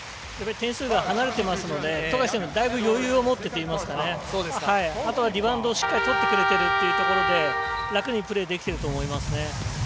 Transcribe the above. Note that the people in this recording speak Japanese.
点数が離れてますので富樫選手、だいぶ余裕を持ってといいますかあとはリバウンドをしっかりとってくれてるというところで楽にプレーできていると思います。